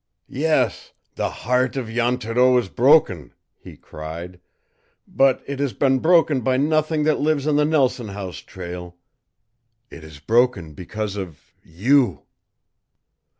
"Yes, the heart of Jan Thoreau is broken!" he cried. "But it has been broken by nothing that lives on the Nelson House trail. It is broken because of YOU!"